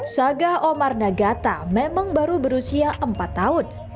sagah omar nagata memang baru berusia empat tahun